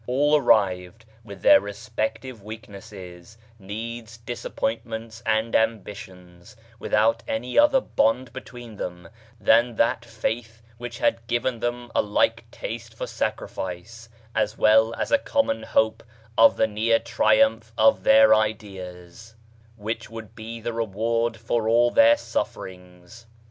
All arrived, with their respective weaknesses, needs, disappointments, and ambitions, without any other bond between them, than that faith which had given them a like taste for sacrifice, as well as a common hope of the near triumph of their ideas, BAGHDAD 53 which would be the reward for all their sufferings.